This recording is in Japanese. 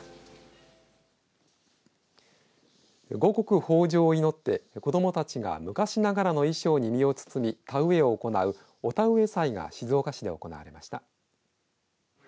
五穀豊じょうを祈って子どもたちが昔ながらの衣装に身を包み田植えを行う、お田植祭が静岡市で行われました。